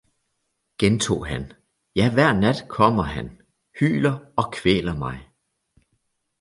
gentog han, ja hver nat kommer han, hyler og kvæler mig.